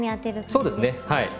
そうですねはい。